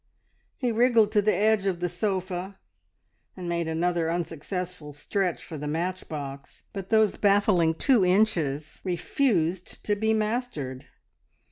He wriggled to the edge of the sofa, and made another unsuccessful stretch for the matchbox, but those baffling two inches refused to be mastered.